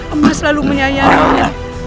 emak selalu menyayanginya